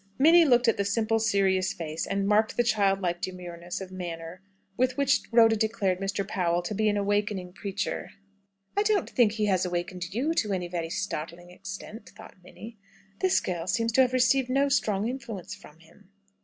Minnie looked at the simple, serious face, and marked the childlike demureness of manner with which Rhoda declared Mr. Powell to be "an awakening preacher." "I don't think he has awakened you to any very startling extent!" thought Minnie. "This girl seems to have received no strong influence from him."